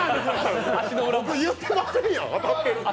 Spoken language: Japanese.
僕、言ってませんよ！